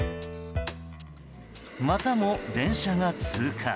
またも電車が通過。